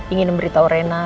ingin memberitahu reina